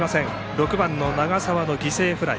６番の長澤の犠牲フライ。